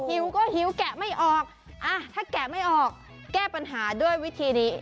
หิวก็หิวแกะไม่ออกถ้าแกะไม่ออกแก้ปัญหาด้วยวิธีนี้